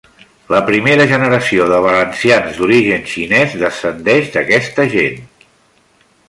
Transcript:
La primera generació de valencians d'origen xinès descendeix d'aquesta gent.